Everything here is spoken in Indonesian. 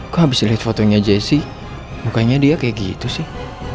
kok abis liat fotonya jessy mukanya dia kayak gitu sih